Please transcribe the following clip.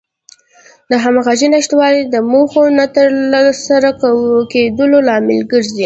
د همغږۍ نشتوالی د موخو نه تر سره کېدلو لامل ګرځي.